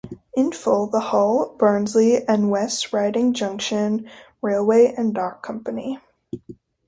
In full, the Hull, Barnsley and West Riding Junction Railway and Dock company.